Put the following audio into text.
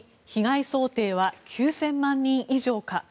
２被害想定は９０００万人以上か。